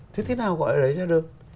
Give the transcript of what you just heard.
thế nào gọi là đẩy ra được